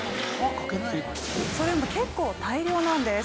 それも結構大量なんです。